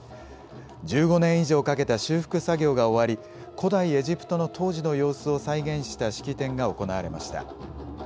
１５年以上かけた修復作業が終わり古代エジプトの当時の様子を再現した式典が行われました。